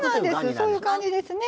そういう感じですね。